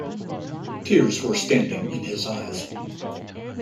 Tears were standing in his eyes.